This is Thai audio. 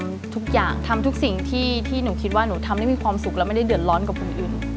ทำทุกอย่างทำทุกสิ่งที่หนูคิดว่าหนูทำได้มีความสุขแล้วไม่ได้เดือดร้อนกับคนอื่น